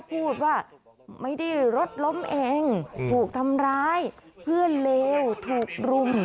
พูดว่าไม่ได้รถล้มเองถูกทำร้ายเพื่อนเลวถูกรุม